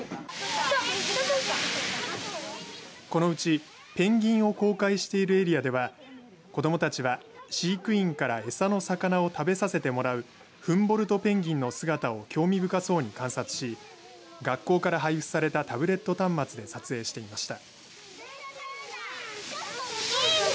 このうちペンギンを公開しているエリアでは子どもたちは飼育員からエサの魚を食べさせてもらうフンボルトペンギンの姿を興味深そうに観察し学校から配布されたタブレット端末で撮影していました。